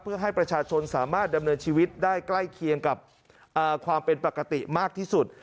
เพื่อให้ประชาชนสามารถดำเนินชีวิตได้ใกล้เคียงกับความเป็นปกติมากที่สุด